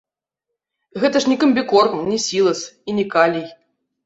Гэта ж не камбікорм, не сілас і не калій.